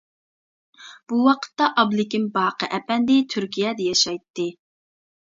بۇ ۋاقىتتا ئابلىكىم باقى ئەپەندى تۈركىيەدە ياشايتتى.